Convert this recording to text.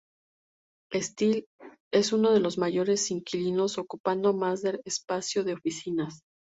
Steel es uno de los mayores inquilinos, ocupando más de de espacio de oficinas.